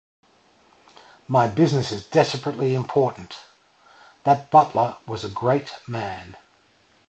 “My business is desperately important.” That butler was a great man.